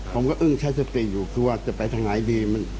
ผมก็อึ้งใช้สภิกษ์อยู่คือว่าจะไปทางไหนดี